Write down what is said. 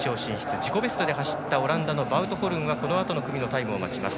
自己ベストで走ったオランダのバウトホルンはこのあとの組のタイムを待ちます。